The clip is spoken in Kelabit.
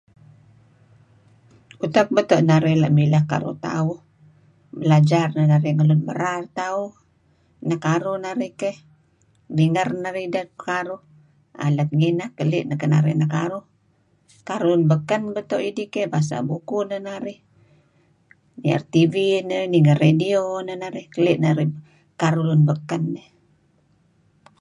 U'tak batok narih lah milah karuh tauh, belajar nana'rih ngan lun maral tauh, nakaruh nana'rih keh, nigar narih idah naka'ruh,[aah] lat ngi'nah kalih nah kana'rih nakaruh, karuh lun bakan batoh idih keh, basah bukuh nah narih, niar tv nah, nigar radio nan'arih kalih narih karuh lun bakan.